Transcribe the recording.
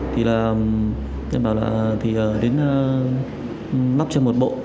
thì em bảo là đến lắp trên một bộ